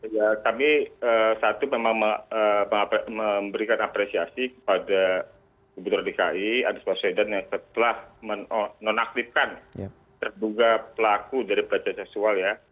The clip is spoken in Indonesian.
ya kami satu memang memberikan apresiasi kepada pemprov dki andes maswedan yang telah menonaktifkan terduga pelaku dari pelajar seksual ya